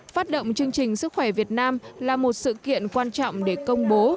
phát động chương trình sức khỏe việt nam là một sự kiện quan trọng để công bố